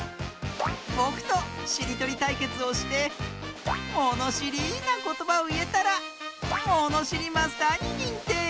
ぼくとしりとりたいけつをしてものしりなことばをいえたらものしりマスターににんてい！